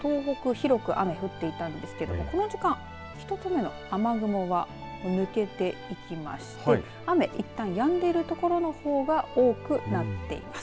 広く雨降っていたんですけれどもこの時間１つ目の雨雲は抜けていきまして雨いったんやんでいるところの方が多くなっています。